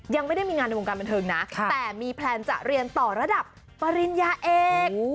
ยังไม่ได้มีงานในวงการบันเทิงนะแต่มีแพลนจะเรียนต่อระดับปริญญาเอก